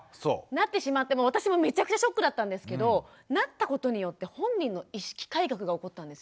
なってしまって私もめちゃくちゃショックだったんですけどなったことによって本人の意識改革が起こったんですよ。